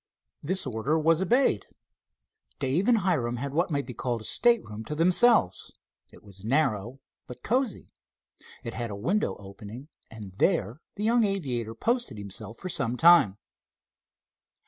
This order was obeyed. Dave and Hiram had what might be called a stateroom to themselves. It was narrow, but cozy. It had a window opening, and there the young aviator posted himself for some time.